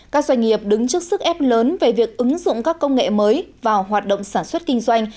các doanh nghiệp đứng trước sức ép lớn về việc ứng dụng các công nghệ mới vào hoạt động sản xuất kinh doanh